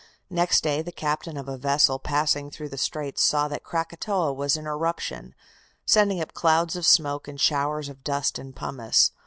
Next day the captain of a vessel passing through the Straits saw that Krakatoa was in eruption, sending up clouds of smoke and showers of dust and pumice.